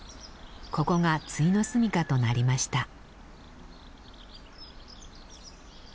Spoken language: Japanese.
ここが終の住みかとなりました。